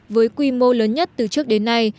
với quy mô lớn nhất từ trước đến nay